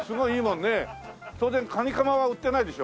当然カニカマは売ってないでしょ？